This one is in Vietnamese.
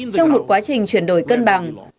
trong một quá trình chuyển đổi cân bằng